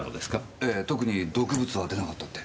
ええ特に毒物は出なかったって。